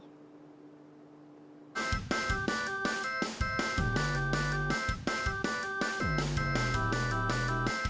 steak di jalan setiaburi